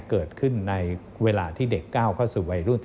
เกิดขึ้นในเวลาที่เด็กก้าวเข้าสู่วัยรุ่น